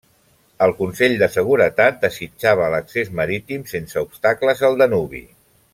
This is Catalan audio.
El Consell de Seguretat desitjava l'accés marítim sense obstacles al Danubi.